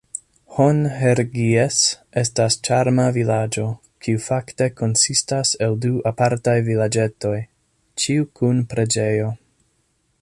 Hon-Hergies estas ĉarma vilaĝo, kiu fakte konsistas el du apartaj vilaĝetoj, ĉiu kun preĝejo.